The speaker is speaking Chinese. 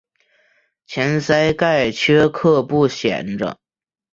前鳃盖缺刻不显着。